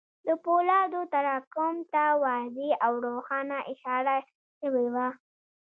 د پولادو تراکم ته واضح او روښانه اشاره شوې وه